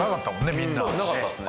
みんななかったですね